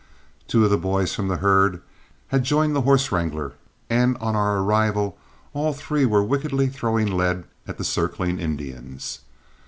Two of the boys from the herd had joined the horse wrangler, and on our arrival all three were wickedly throwing lead at the circling Indians.